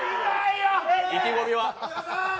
意気込みは。